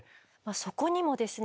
そこにもですね